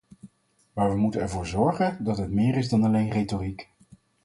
Maar we moeten ervoor zorgen dat dit meer is dan alleen retoriek.